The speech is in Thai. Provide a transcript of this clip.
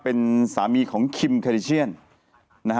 เป็นสามีของคริวคริเชี่ยน